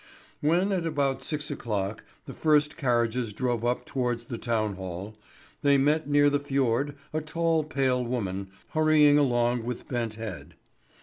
When, at about six o'clock, the first carriages drove up towards the town hall, they met near the fjord a tall, pale woman, hurrying along with bent head.